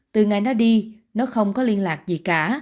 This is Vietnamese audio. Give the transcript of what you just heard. từ ngày nó đi nó không có liên lạc gì cả